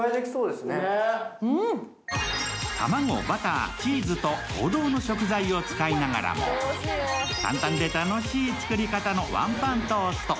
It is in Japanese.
卵、バター、チーズと王道の食材を使いながらも簡単で楽しい作り方のワンパントースト。